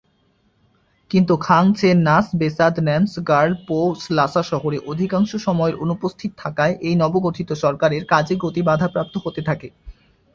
কিন্তু খাং-ছেন-নাস-ব্সোদ-নাম্স-র্গ্যাল-পো লাসা শহরে অধিকাংশ সময়ে অনুপস্থিত থাকায় এই নবগঠিত সরকারের কাজের গতি বাধাপ্রাপ্ত হতে থাকে।